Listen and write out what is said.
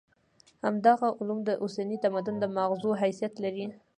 همدغه علوم د اوسني تمدن د ماغزو حیثیت لري.